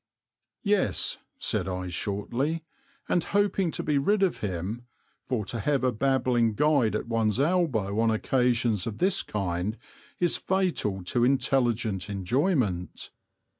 "Yes," said I, shortly, and hoping to be rid of him, for to have a babbling guide at one's elbow on occasions of this kind is fatal to intelligent enjoyment.